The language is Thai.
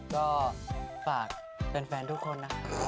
ก็ฝากแฟนทุกคนนะ